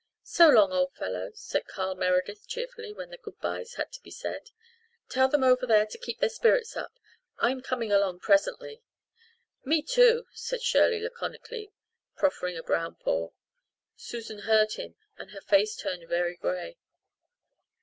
"So long, old fellow," said Carl Meredith cheerfully, when the good byes had to be said. "Tell them over there to keep their spirits up I am coming along presently." "Me too," said Shirley laconically, proffering a brown paw. Susan heard him and her face turned very grey.